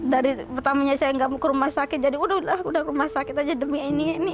dari pertamanya saya nggak mau ke rumah sakit jadi udah rumah sakit aja demi ini ini